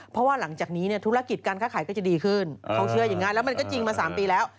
เพราะว่าหลังจากนี้เนี่ยธุรกิจการค้าขายก็จะดีขึ้นเขาเชื่ออย่างนั้นแล้วมันก็จริงมา๓ปีแล้ว